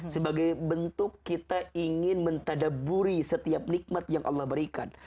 sebagai bentuk kita ingin mentadaburi setiap nikmat yang allah berikan